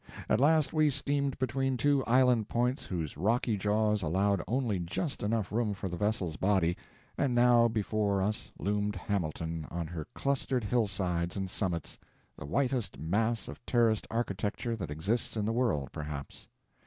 At last we steamed between two island points whose rocky jaws allowed only just enough room for the vessel's body, and now before us loomed Hamilton on her clustered hillsides and summits, the whitest mass of terraced architecture that exists in the world, perhaps.